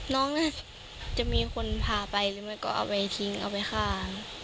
น้องน่าจะมีคนพาไปหรือไม่ก็เอาไปทิ้งเอาไปฆ่า